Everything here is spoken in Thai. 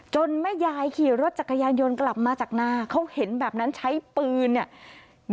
แม่ยายขี่รถจักรยานยนต์กลับมาจากนาเขาเห็นแบบนั้นใช้ปืนเนี่ย